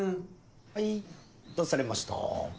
はいどうされました？